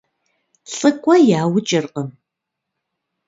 ЛӀыкӀуэ яукӀыркъым.